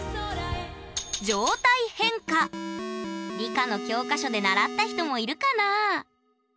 理科の教科書で習った人もいるかな？